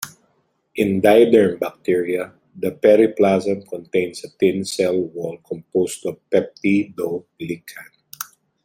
In diderm bacteria, the periplasm contains a thin cell wall composed of peptidoglycan.